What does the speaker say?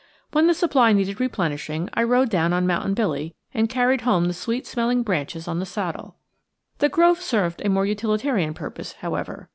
When the supply needed replenishing, I rode down on Mountain Billy and carried home the sweet smelling branches on the saddle. The grove served a more utilitarian purpose, however.